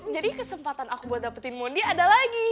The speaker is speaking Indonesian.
jadi kesempatan aku buat dapetin moni ada lagi